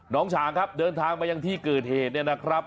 น้องฉางครับเดินทางไปที่เกิดเหตุเนี่ยนะครับ